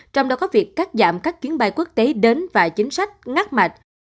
trong đó có việc cắt giảm các chuyến bay quốc tế đến và chính sách ngắt mạch